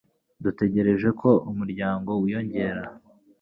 Dutegereje ko umuryango wiyongera.